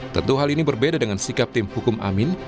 tentu hal ini berbeda dengan sikap tim hukum amin